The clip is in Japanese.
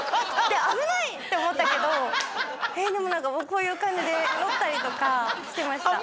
で危ないって思ったけどでも何かこういう感じで乗ったりとかしてました